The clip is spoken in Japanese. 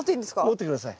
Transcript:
持って下さい。